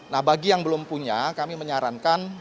nah bagi yang belum punya kami menyarankan